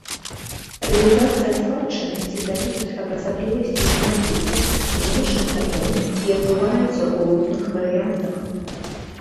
Рэалізацыя спадчыннасці залежыць ад асаблівасцей генатыпу, знешніх умоў і адбываецца ў розных варыянтах.